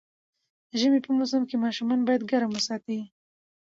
ژمی په موسم کې ماشومان باید ګرم وساتي